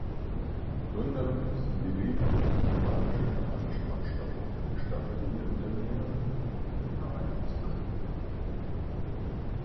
Gründerin Cindy Lee hat eine taiwanische-kanadische Abstammung und startete ihr Unternehmen mit nur einem Store.